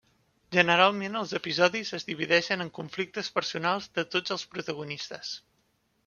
Generalment els episodis es divideixen en conflictes personals de tots els protagonistes.